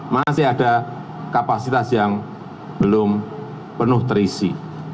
masih ada kapasitas yang belum penuh terisi